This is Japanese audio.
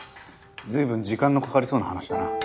随分時間のかかりそうな話だな。